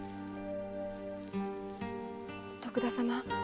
徳田様。